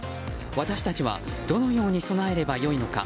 私たちはどのように備えれば良いのか。